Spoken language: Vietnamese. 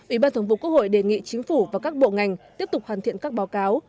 ủy ban thường vụ quốc hội đề nghị chính phủ và các bộ ngành tiếp tục hoàn thiện các báo cáo